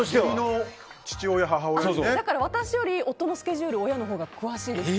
だから私より夫のスケジュール親のほうが詳しいです。